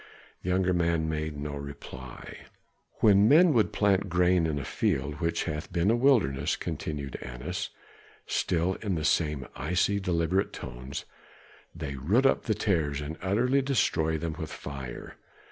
The younger man made no reply. "When men would plant grain in a field which hath been a wilderness," continued Annas, still in the same icy, deliberate tones, "they root up the tares and utterly destroy them with fire.